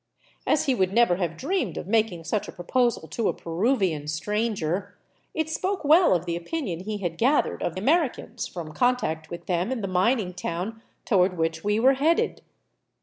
As he would never have dreamed of making such a pro posal to a Peruvian stranger, it spoke well of the opinion he had gath ered of Americans from contact with them in the mining town to ward which we were headed.